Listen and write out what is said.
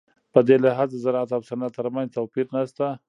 په دې لحاظ د زراعت او صنعت ترمنځ توپیر نشته.